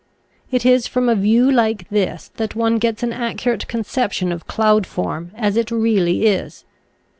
It is from a view like this that one gets an accurate conception of cloud form as it really is.